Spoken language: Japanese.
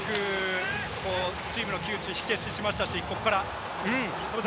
よくチームの窮地、火を消しましたし、ここからです。